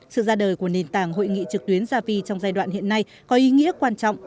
sự ra đời của nền tảng hội nghị trực tuyến gia vi trong giai đoạn hiện nay có ý nghĩa quan trọng